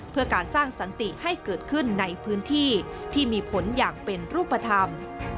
เพื่อการสร้างสันติให้เกิดขึ้นในพื้นที่ที่มีผลอย่างเป็นรูปธรรม